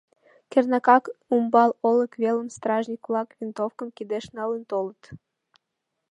Кернакак, умбал олык велым стражник-влак, винтовкым кидеш налын толыт.